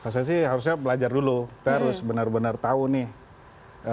saya sih harusnya belajar dulu kita harus benar benar tahu nih